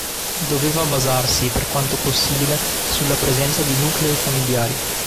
Doveva basarsi per quanto possibile sulla presenza di nuclei familiari.